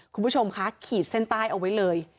คุณผู้ชมคะขีดเส้นใต้เอาไว้เลย